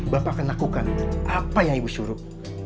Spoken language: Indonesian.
bapak akan lakukan apa yang ibu suruh